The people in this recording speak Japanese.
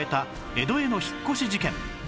江戸への引っ越し事件